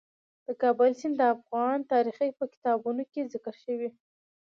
د کابل سیند د افغان تاریخ په کتابونو کې ذکر شوی دي.